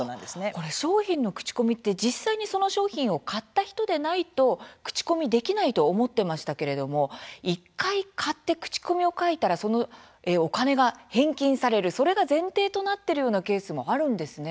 これ商品の口コミって実際にその商品を買った人でないと口コミできないと思っていましたけれども１回買って口コミを書いたらそのお金が返金されるそれが前提となっているようなケースもあるんですね。